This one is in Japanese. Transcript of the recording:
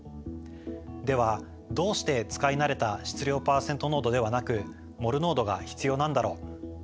ではどうして使い慣れた質量パーセント濃度ではなくモル濃度が必要なんだろう？